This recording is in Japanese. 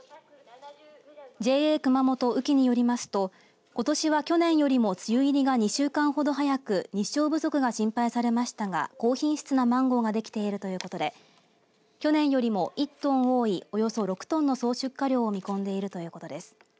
ＪＡ熊本うきによりますとことしは去年よりも梅雨入りが２週間ほど早く日照不足が心配されましたが高品質なマンゴーができているということで去年よりも１トン多いおよそ６トンの総出荷量を見込んでいるということです。